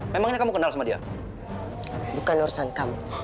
memangnya kamu kenal sama dia bukan urusan kamu